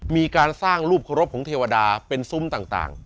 มีการสร้างรูปเคารพของเทวดาเป็นซุ้มต่าง